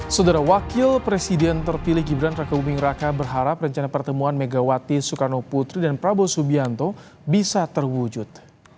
saudara wakil presiden terpilih gibran raka buming raka berharap rencana pertemuan megawati soekarno putri dan prabowo subianto bisa terwujud